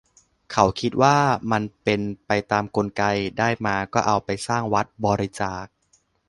เขาคิดว่ามันเป็นไปตามกลไก ได้มาก็เอาไปสร้างวัด บริจาค